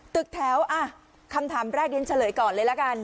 ตึกแถวคำถามแรกเรียนเฉลยก่อนเลยละกัน